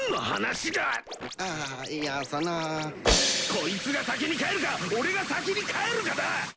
こいつが先に帰るか俺が先に帰るかだ！